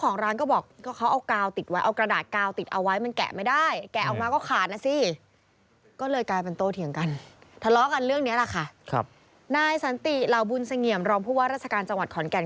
นายสันติรัวบุญเศงเหงียมรองผู้ว่ารัฐการจังหวัดขอนแก่น